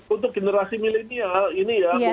untuk generasi milenial ini ya